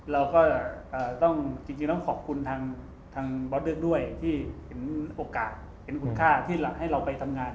เราก็ต้องจริงต้องขอบคุณทางบอสเดอร์ด้วยที่เห็นโอกาสเห็นคุณค่าที่ให้เราไปทำงาน